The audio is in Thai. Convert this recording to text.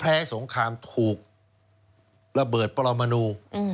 เพราะแพ้สงครามถูกระเบิดปรมานู